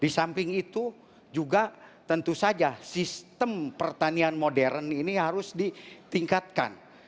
di samping itu juga tentu saja sistem pertanian modern ini harus ditingkatkan